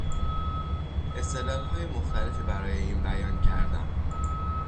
استدلالهای مختلفی برای این بیان کردم.